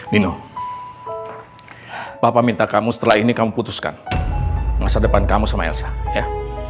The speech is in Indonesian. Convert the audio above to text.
nino papa minta kamu setelah ini kamu putuskan masa depan kamu sama elsa ya